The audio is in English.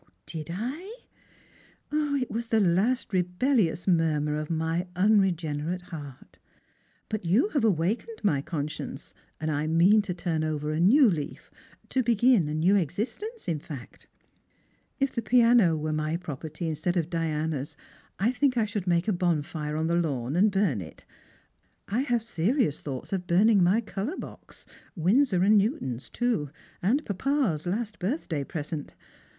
" Did I ? It was the last rebellious murmur of my unre generate heart. But you have awakened my conscience, and I mean to turn over a new leaf, to begin a new existence in fact. If the piano were my property instead of Diana's, I think I should make a bonfire on the lawn and burn it. I have serious thoughts of burning my colour box — Winsor and Newton's too. and papa's last birthday present.